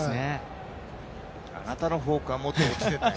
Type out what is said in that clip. あなたのフォークはもっと落ちてたよ。